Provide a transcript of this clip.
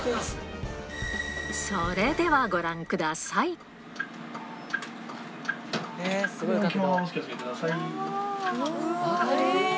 それではご覧ください。